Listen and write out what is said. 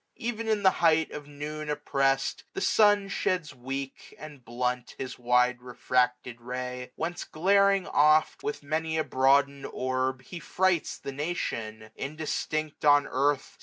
Ev'n in the height of noon opprest, the sun Sheds weak, and blunt, his wide refracted ray ; 720 Whence glaring oft, with many a broadened orb, He frights the nations. Indistinct on earth.